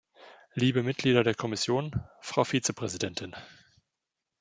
Liebe Mitglieder der Kommission, Frau Vizepräsidentin!